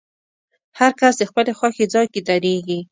هر کس د خپلې خوښې ځای کې درېږي.